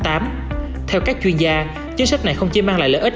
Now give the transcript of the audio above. theo các chuyên gia chính sách này không chỉ mang lại lợi ích